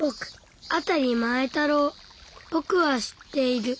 ぼくは知っている。